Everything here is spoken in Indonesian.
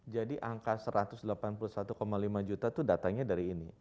jadi angka satu ratus delapan puluh satu lima juta itu datangnya dari ini